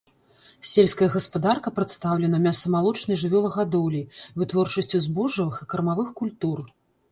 Сельская гаспадарка прадстаўлена мяса-малочнай жывёлагадоўляй, вытворчасцю збожжавых і кармавых культур.